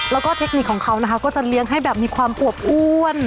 แล้วก็เทคนิคของเขานะคะก็จะเลี้ยงให้แบบมีความอวบอ้วน